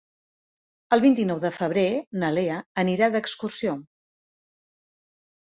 El vint-i-nou de febrer na Lea anirà d'excursió.